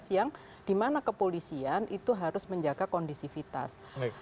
yang di mana kepolisian itu harus menjaga kondisivitas